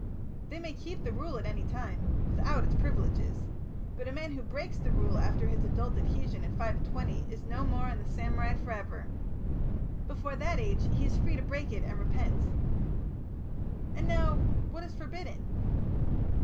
"They may keep the Rule at any time without its privileges. But a man who breaks the Rule after his adult adhesion at five and twenty is no more in the samurai for ever. Before that age he is free to break it and repent." "And now, what is forbidden?"